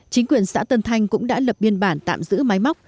chính quyền xã tân thanh cũng đã lập biên bản tạm giữ máy móc